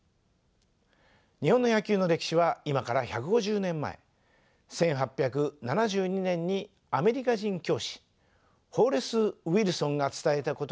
日本の野球の歴史は今から１５０年前１８７２年にアメリカ人教師ホーレス・ウィルソンが伝えたことから始まりました。